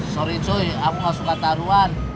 sorry itu aku gak suka taruhan